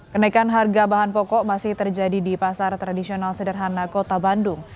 kenaikan harga bahan pokok masih terjadi di pasar tradisional sederhana kota bandung